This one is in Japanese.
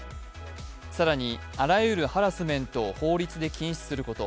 更にあらゆるハラスメントを法律で禁止すること